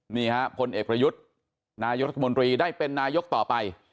นี่ฮะพลเอกประยุทธ์นายกรัฐมนตรีได้เป็นนายกต่อไป